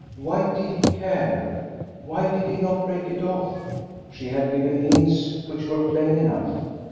Why did he care? Why did he not break it oflf? She had given hints which were plain enough.